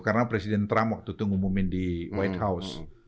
karena presiden trump waktu itu ngumumin di white house